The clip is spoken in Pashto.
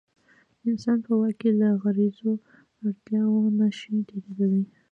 انسان په واک کې له غریزو اړتیاوو نه شي تېرېدلی.